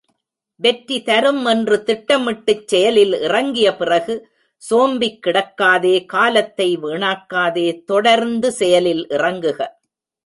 வெற்றி தரும் என்று திட்டமிட்டுச் செயலில் இறங்கிய பிறகு சோம்பிக் கிடக்காதே காலத்தை வீணாக்காதே தொடர்ந்து செயலில் இறங்குக.